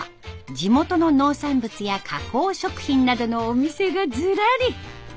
地元の農産物や加工食品などのお店がずらり。